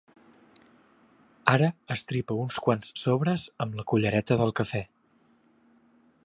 Ara estripa uns quants sobres amb la cullereta del cafè.